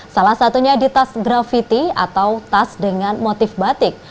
salah satunya di tas gravity atau tas dengan motif batik